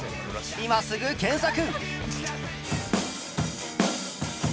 今すぐ検索！